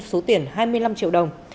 số tiền hai mươi năm triệu đồng